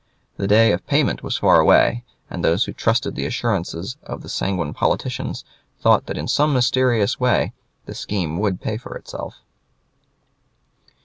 The day of payment was far away, and those who trusted the assurances of the sanguine politicians thought that in some mysterious way the scheme would pay for itself.